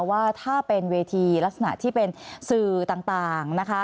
ว่าถ้าเป็นเวทีลักษณะที่เป็นสื่อต่างนะคะ